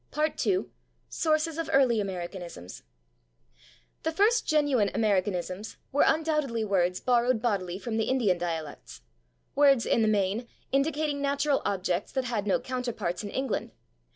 § 2 /Sources of Early Americanisms/ The first genuine Americanisms were undoubtedly words borrowed bodily from the Indian dialects words, in the main, indicating natural objects that had no counterparts in England.